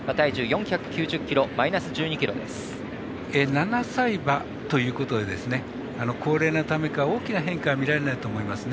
７歳馬ということで高齢のためか、大きな変化はみられないと思います。